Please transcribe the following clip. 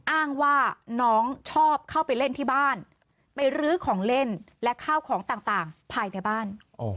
อ้างว่าน้องชอบเข้าไปเล่นที่บ้านไปรื้อของเล่นและข้าวของต่างภายในบ้าน